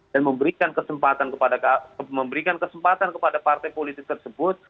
dan memberikan kesempatan kepada partai politik tersebut